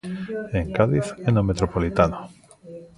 En Cádiz e no Metropolitano.